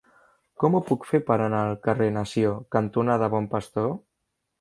Com ho puc fer per anar al carrer Nació cantonada Bon Pastor?